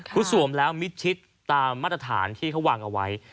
คือสวมแล้วมิดชิดตามมาตรฐานที่เขาวางเอาไว้